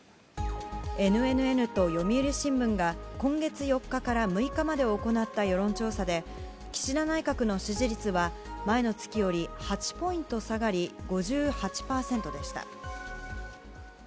ＮＮＮと読売新聞が今月４日から６日まで行った世論調査で岸田内閣の支持率は前の月より８ポイント下がり５８％でした。